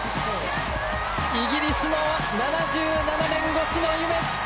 イギリスの７７年越しの夢。